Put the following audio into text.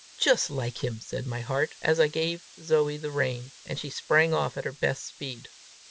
"Just like him!" said my heart, as I gave Zoe the rein, and she sprang off at her best speed.